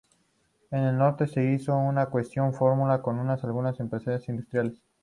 En el norte se hizo de una cuantiosa fortuna, con algunas empresas industriales.